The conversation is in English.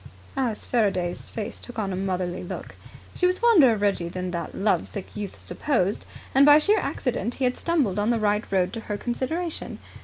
Alice Faraday's face took on a motherly look. She was fonder of Reggie than that love sick youth supposed, and by sheer accident he had stumbled on the right road to her consideration.